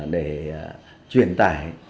để truyền tài